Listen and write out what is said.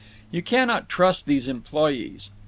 You cannot trust these employees.